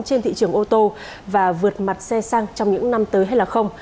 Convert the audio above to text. trên thị trường ô tô và vượt mặt xe xăng trong những năm tới hay là không